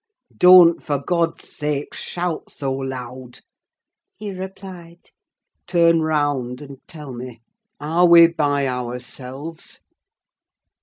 "Don't, for God's sake, shout so loud," he replied. "Turn round, and tell me, are we by ourselves?"